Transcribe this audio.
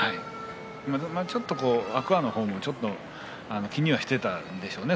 ちょっと天空海の方も気にはしてたんでしょうね。